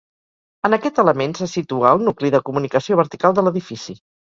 En aquest element se situa el nucli de comunicació vertical de l'edifici.